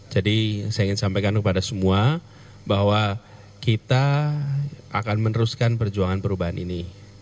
jadi saya ingin sampaikan kepada semua bahwa kita akan meneruskan perjuangan perubahan ini